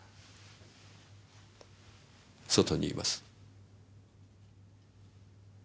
外にいます。